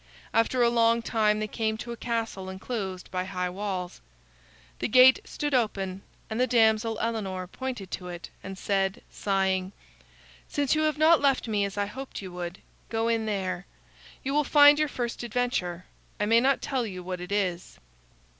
After a long time they came to a castle enclosed by high walls. The gate stood open, and the damsel Elinor pointed to it and said, sighing: "Since you have not left me as I hoped you would, go in there. You will find your first adventure. I may not tell you what it is."